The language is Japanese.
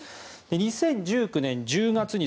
２０１９年１０月に